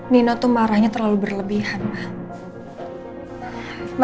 nino tuh marahnya terlalu berlebihan